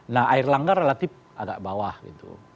nah erlangga relatif agak bawah gitu